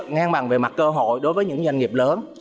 ngang bằng về mặt cơ hội đối với những doanh nghiệp lớn